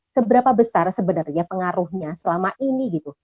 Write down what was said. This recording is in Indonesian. seberapa besar sebenarnya pengaruhnya selama ini gitu